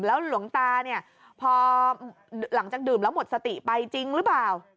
หลวงตาเนี่ยพอหลังจากดื่มแล้วหมดสติไปจริงหรือเปล่า